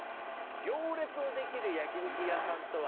行列のできる焼き肉屋さんとは。